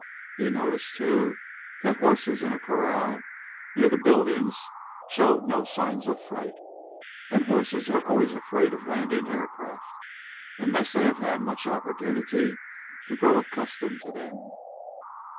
He noticed, too, that horses in a corral near the buildings showed no signs of fright. And horses are always afraid of landing aircraft, unless they have had much opportunity to grow accustomed to them.